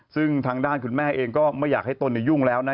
ซึ่งทางด้านคุณแม่เองก็ไม่อยากให้ตนยุ่งแล้วนะ